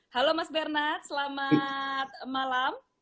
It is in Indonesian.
halo mas bernard selamat malam